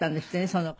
その頃。